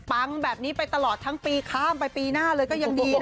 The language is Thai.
ปังแบบนี้ไปตลอดทั้งปีข้ามไปปีหน้าเลยก็ยังดีนะ